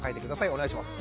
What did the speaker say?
お願いします。